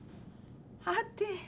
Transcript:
はて。